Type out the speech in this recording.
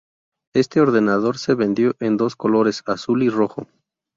Este ordenador se vendió en dos colores: azul y rojo.